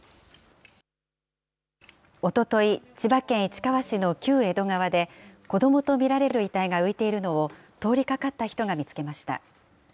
おととい、千葉県市川市の旧江戸川で、子どもと見られる遺体が浮いているのを、通りかかった人が見つけました。